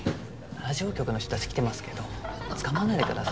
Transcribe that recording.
ラジオ局の人たち来てますけど捕まんないでくださいよ。